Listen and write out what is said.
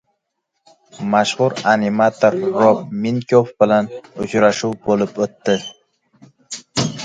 Mashhur animator Rob Minkoff bilan uchrashuv bo‘lib o‘tdi